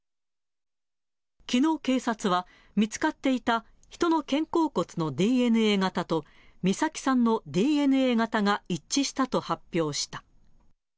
きのう、警察は見つかっていた人の肩甲骨のＤＮＡ型と、美咲さんのＤＮＡ型が一致したと発表した。